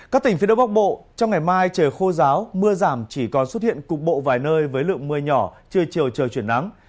các tỉnh phía đông bắc bộ trong ngày mai trời khô giáo mưa giảm chỉ còn xuất hiện cục bộ vài nơi với lượng mưa nhỏ trưa chiều trời chuyển nắng